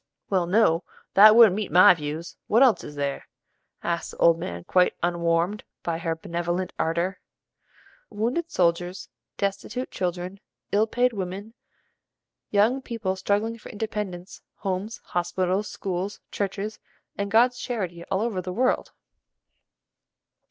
"Well, no, that wouldn't meet my views. What else is there?" asked the old man quite unwarmed by her benevolent ardor. "Wounded soldiers, destitute children, ill paid women, young people struggling for independence, homes, hospitals, schools, churches, and God's charity all over the world."